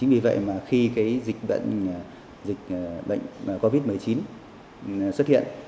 vì vậy mà khi cái dịch bệnh dịch bệnh covid một mươi chín xuất hiện